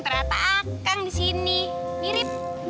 ternyata akang di sini mirip